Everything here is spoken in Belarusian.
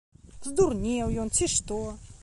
Здурнеў ён, ці што?